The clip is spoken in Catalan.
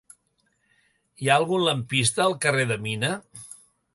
Hi ha algun lampista al carrer de Mina?